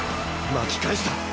巻き返した！